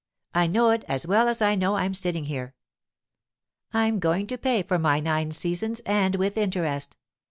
I know it as well as I know I'm sitting here. I'm going to pay for my nine seasons, and with interest.